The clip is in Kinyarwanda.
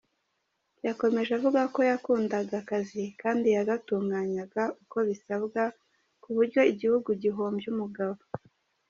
Yakomeje avuga ko yakundaga akazi kandi yagatunganyaga uko bisabwa, ku buryo igihugu gihombye umugabo.